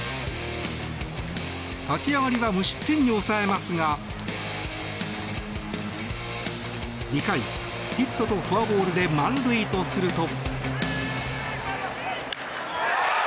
立ち上がりは無失点に抑えますが２回、ヒットとフォアボールで満塁とすると。